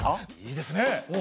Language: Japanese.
いいですね！